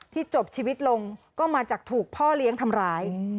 จบชีวิตลงก็มาจากถูกพ่อเลี้ยงทำร้าย